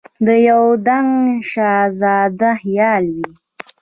د یو دنګ شهزاده خیال وي